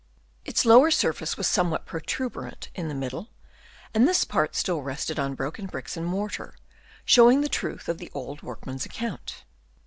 Its lower surface was somewhat protuberant in the middle ; and this part still rested on broken bricks and mortar, showing the truth of the old workman's account.